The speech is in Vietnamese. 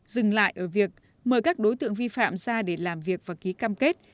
dừng lại ở việc mời các đối tượng vi phạm ra để làm việc và ký cam kết